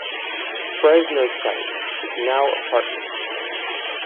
Fresno site is now apartments.